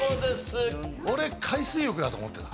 俺海水浴だと思ってた。